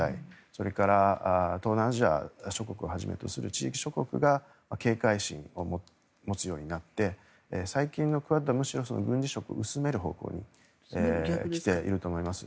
それから東南アジア諸国をはじめとする地域諸国が警戒心を持つようになって最近のクアッドはむしろ軍事色を薄める方向に来ていると思います。